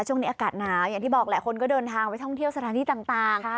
ช่วงนี้อากาศหนาวอย่างที่บอกแหละคนก็เดินทางไปท่องเที่ยวสถานที่ต่าง